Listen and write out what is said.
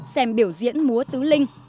xem biểu diễn múa tứ linh